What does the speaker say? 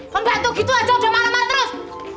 pembantu gitu aja udah malaman terus